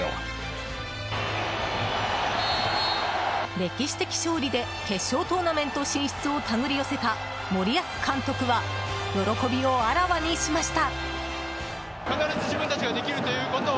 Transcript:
歴史的勝利で決勝トーナメント進出を手繰り寄せた森保監督は喜びをあらわにしました。